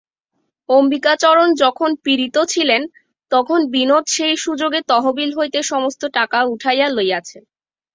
অম্বিকাচরণ যখন পীড়িত ছিলেন তখন বিনোদ সেই সুযোগে তহবিল হইতে সমস্ত টাকা উঠাইয়া লইয়াছে।